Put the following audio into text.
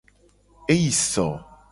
Eyi so.